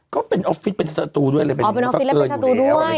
ก็เป็นออฟฟิศเป็นสตูด้วยเลยเป็นอ๋อเป็นออฟฟิศและเป็นสตูด้วย